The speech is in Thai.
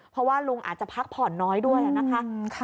เพราะว่าลุงอาจจะพักผ่อนน้อยด้วยนะคะ